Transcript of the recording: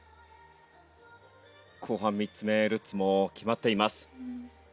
後半３つ目ルッツも決まっています。